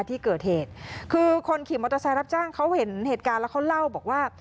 ที่เกิดเหตุคือคนขี่มอเตอร์ไซค์รับจ้างเขาเห็นเหตุการณ์แล้วเขาเล่าบอกว่า